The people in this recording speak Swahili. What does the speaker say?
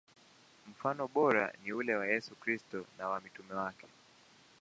Mfano bora ni ule wa Yesu Kristo na wa mitume wake.